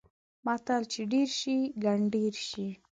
متل: چې ډېر شي؛ ګنډېر شي.